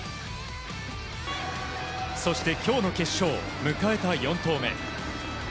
そして今日の決勝迎えた４投目。